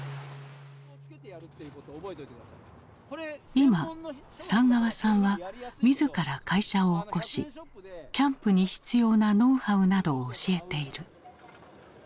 今寒川さんは自ら会社をおこしキャンプに必要なノウハウなどを教えている。